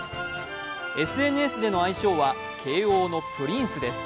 ＳＮＳでの愛称は慶応のプリンスです。